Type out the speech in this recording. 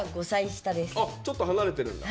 あちょっと離れてるんだ。